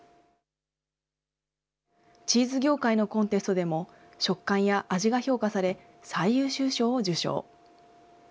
チーズ業界のコンテストでも、触感や味が評価され、最優秀賞を受賞。